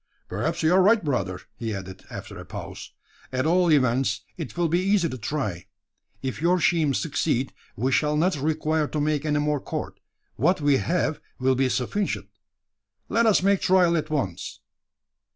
"Perhaps you are right, brother," he added, after a pause. "At all events, it will be easy to try. If your scheme succeed, we shall not require to make any more cord. What we have will be sufficient. Let us make trial at once!"